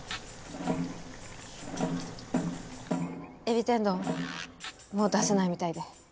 エビ天丼もう出せないみたいで。